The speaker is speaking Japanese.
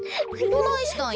どないしたんや？